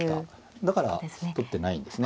だから取ってないですね。